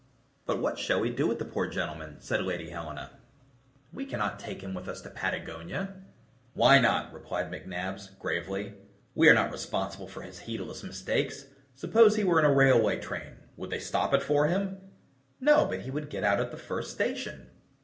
"But what shall we do with the poor gentleman?" said Lady Helena; "we can't take him with us to Patagonia." "Why not?" replied McNabbs, gravely. "We are not responsible for his heedless mistakes. Suppose he were in a railway train, would they stop it for him?" "No, but he would get out at the first station."